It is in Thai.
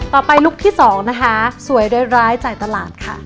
ลุคที่๒นะคะสวยร้ายจ่ายตลาดค่ะ